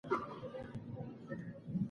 خاوره د آس لپاره د پورته کېدو زینه شوه.